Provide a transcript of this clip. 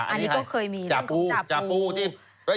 อันนี้ก็เคยมีเรื่องของจาปู